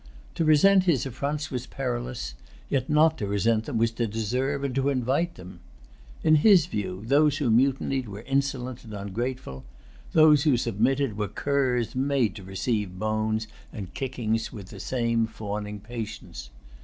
To resent his affronts was perilous; yet not to resent them was to deserve and to invite them. In his view, those who mutinied were insolent and ungrateful; those who submitted were curs made to receive bones and kickings with the same fawning patience.